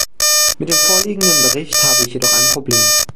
Mit dem vorliegenden Bericht habe ich jedoch ein Problem.